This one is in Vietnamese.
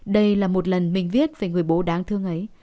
đây là một lần mình viết về người bố đáng thương ấy